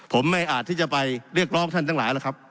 ผมไม่อาจที่จะไปเรียกร้องท่านทั้งหลายแล้วครับ